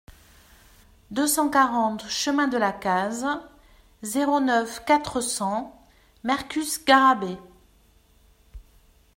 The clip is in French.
deux cent quarante chemin de la Caze, zéro neuf, quatre cents Mercus-Garrabet